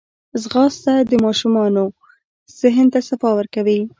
ځغاسته د ماشومانو ذهن ته صفا ورکوي